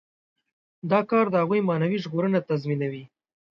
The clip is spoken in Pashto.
دا کار د هغوی معنوي ژغورنه تضمینوي.